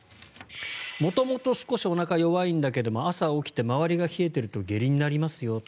元々少しおなかは弱いんだけども朝起きて周りが冷えていると下痢になりますよ。